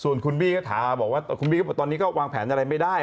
ส่วนคุณบี้กระถาบอกว่าคุณบี้ก็บอกตอนนี้ก็วางแผนอะไรไม่ได้